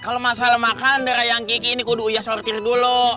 kalau masalah makanan deh ayang kiki ini kudu uya sortir dulu